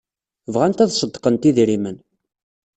Bɣant ad ṣeddqent idrimen.